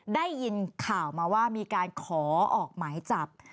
ได้ยินข่าวมาว่ามีการขอออกหมายจับ